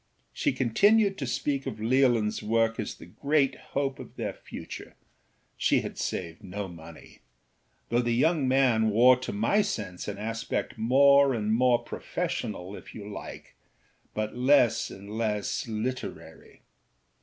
She continued to speak of Leolinâs work as the great hope of their future (she had saved no money) though the young man wore to my sense an aspect more and more professional if you like, but less and less literary.